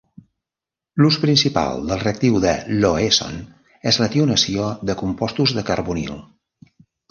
L'ús principal del reactiu de Lawesson és la tionació de compostos de carbonil.